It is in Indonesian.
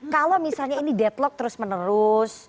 kalau misalnya ini deadlock terus menerus